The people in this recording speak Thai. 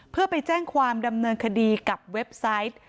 เพื่อไปแจ้งความดำเนินคดีกับเว็บไซต์